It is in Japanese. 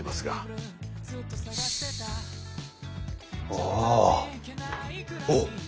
ああおう。